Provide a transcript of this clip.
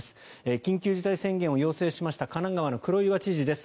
緊急事態宣言を要請しました神奈川の黒岩知事です。